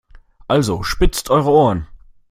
Also spitzt eure Ohren!